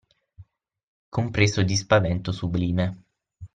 Compreso di spavento sublime